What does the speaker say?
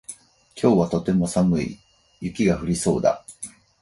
今日はとても寒い。雪が降りそうだ。